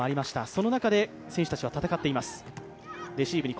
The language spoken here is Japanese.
その中で選手たちは戦っています。